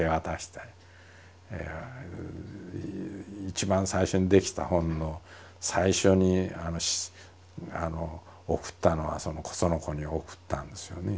一番最初にできた本の最初に贈ったのはその子に贈ったんですよね。